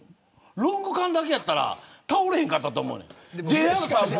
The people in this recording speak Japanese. ロング缶だけやったら倒れへんかったと思う。